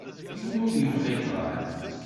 Yiwen ur yebɣi ṭṭraḍ.